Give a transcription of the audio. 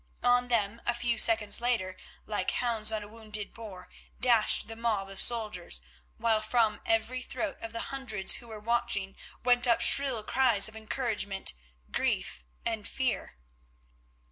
On them, a few seconds later, like hounds on a wounded boar, dashed the mob of soldiers, while from every throat of the hundreds who were watching went up shrill cries of encouragement, grief, and fear.